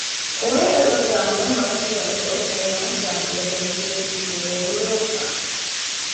Hoy el órgano más nuevo es el más grande del sureste de Europa.